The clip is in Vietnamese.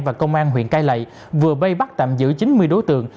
và công an huyện cai lạy vừa bây bắt tạm giữ chín mươi đối tượng